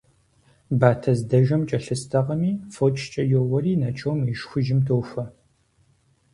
Батэ здэжэм кӀэлъыстэкъыми, фочкӀэ йоуэри Начом и шхужьым тохуэ.